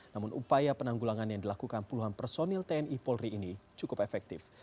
namun upaya penanggulangan yang dilakukan puluhan personil tni polri ini cukup efektif